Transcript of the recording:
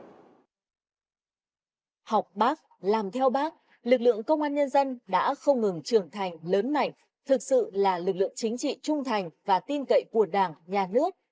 học bác làm theo bác lực lượng công an nhân dân đã không ngừng trưởng thành lớn mạnh thực sự là lực lượng chính trị trung thành và tin cậy của đảng nhà nước